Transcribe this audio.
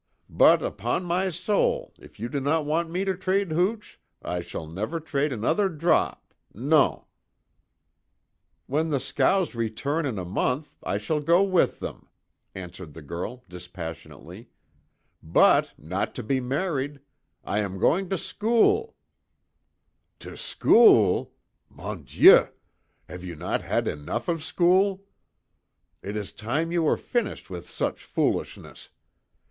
But upon my soul, if you do not want me to trade hooch, I shall never trade another drop non." "When the scows return in a month, I shall go with them," answered the girl dispassionately, "But, not to be married. I am going to school " "To school! Mon Dieu! Have you not had enough of school? It is time you were finished with such foolishness.